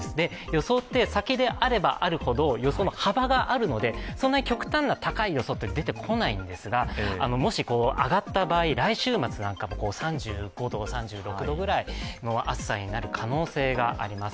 予想って先であればあるほど予想の幅があるのでそんなに極端な高い予測は出てこないんですが、もし上がった場合、来週末なんかも３５度、３６度ぐらいの暑さになる可能性があります。